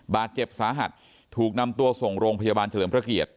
บาดเจ็บสาหัสถูกนำตัวส่งโรงพยาบาลเฉลิมพระเกียรติ